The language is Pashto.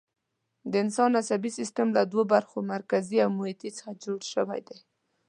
د انسان عصبي سیستم له دوو برخو، مرکزي او محیطي څخه جوړ شوی دی.